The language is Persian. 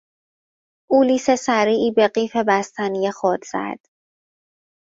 او لیس سریعی به قیف بستنی خود زد.